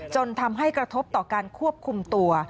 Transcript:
จนทำให้กระทบต่อการควบคุมตัว